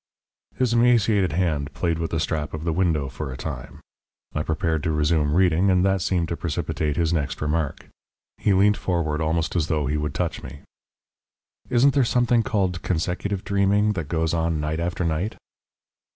His emaciated hand played with the strap of the window for a time. I prepared to resume reading, and that seemed to precipitate his next remark. He leant forward almost as though he would touch me. "Isn't there something called consecutive dreaming that goes on night after night?"